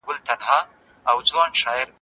غېر صحي خواړه د وزن زیاتوالي لامل دي.